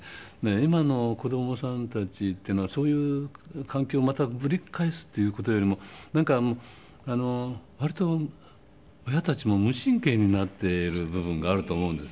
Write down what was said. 今の子供さんたちっていうのはそういう環境をまたぶり返すっていう事よりもなんか割と親たちも無神経になっている部分があると思うんです。